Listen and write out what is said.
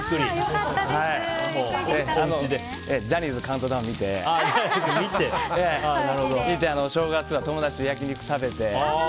ジャニーズのカウントダウンを見てお正月は友達と焼肉食べて。